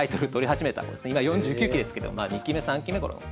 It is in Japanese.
今４９期ですけどまあ２期目３期目ごろの。